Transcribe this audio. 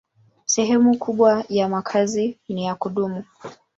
Sehemu kubwa ya makazi ni ya kudumu.